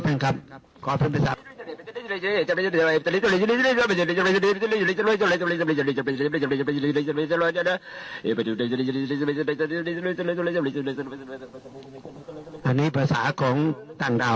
อันนี้ภาษาของต่างดาว